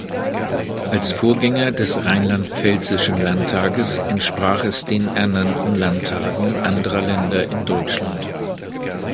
Als Vorgänger des rheinland-pfälzischen Landtages entsprach es den Ernannten Landtagen anderer Länder in Deutschland.